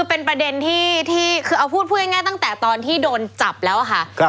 เป็นประเด็นที่คือเอาพูดง่ายตั้งแต่ตอนที่โดนจับแล้วค่ะ